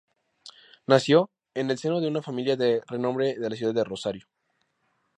Nació en el seno de una familia de renombre de la ciudad de Rosario.